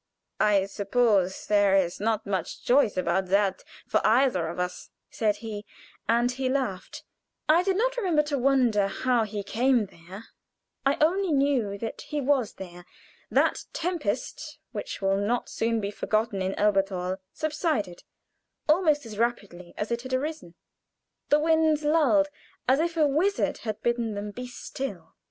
"I suppose there is not much choice about that for either of us," said he, and he laughed. I did not remember to wonder how he came there; I only knew that he was there. That tempest, which will not soon be forgotten in Elberthal, subsided almost as rapidly as it had arisen. The winds lulled as if a wizard had bidden them be still.